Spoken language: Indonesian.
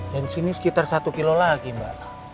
dari sini sekitar satu kilo lagi mbak